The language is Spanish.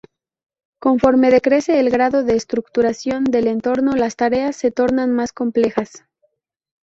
Conforme decrece el grado de estructuración del entorno las tareas se tornan más complejas.